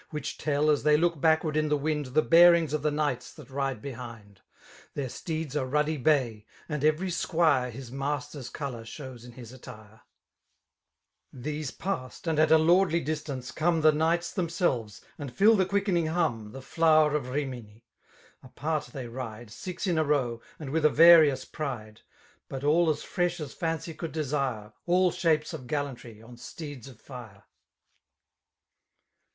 . Which teU, as they look backward ia the wi&d> Tbcbearings of the knights that ride b^ndi Their steeds are ruddy bay; and every squire His masteir's t^lour shews in his attire. i» ' 13 These past^ and at a lordly distance^ come The knights themselves^ and fill thequickenlng hum, The flower of Rimini. Apart they ride, SiK in a row, and with a various pride; But all as fresh as fancy could desire^ All shapes of gallantry on steeds of fire.